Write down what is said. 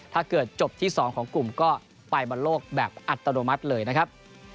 ถ้าเกิดจบที่๒ของกลุ่มก็ไปบอลโลกแบบอัตโนมัติเลยนะครับ